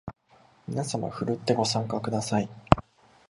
みなさまふるってご参加ください